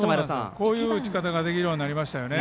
こういう打ち方ができるようになりましたよね。